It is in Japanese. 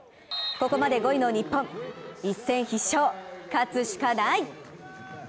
ここまで５位の日本、一戦必勝勝つしかない！